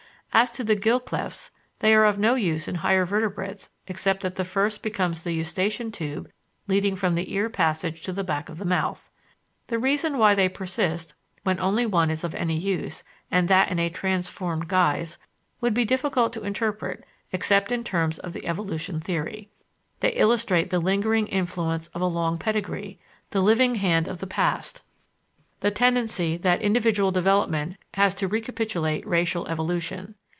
As to the gill clefts, they are of no use in higher Vertebrates except that the first becomes the Eustachian tube leading from the ear passage to the back of the mouth. The reason why they persist when only one is of any use, and that in a transformed guise, would be difficult to interpret except in terms of the Evolution theory. They illustrate the lingering influence of a long pedigree, the living hand of the past, the tendency that individual development has to recapitulate racial evolution.